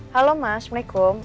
halo ma assalamualaikum